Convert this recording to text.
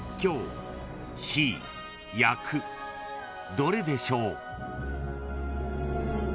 ［どれでしょう？］